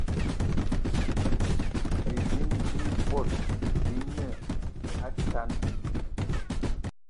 Bivini bi bot bi ne atane